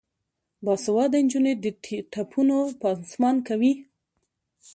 باسواده نجونې د ټپونو پانسمان کوي.